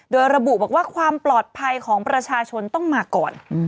โดยระบุบอกว่าความปลอดภัยของประชาชนต้องมาก่อน